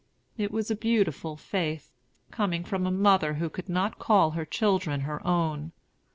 It was a beautiful faith, coming from a mother who could not call her children her own.